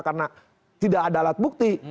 karena tidak ada alat bukti